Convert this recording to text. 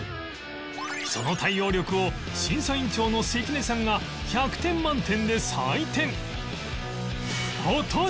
その対応力を審査委員長の関根さんが１００点満点で採点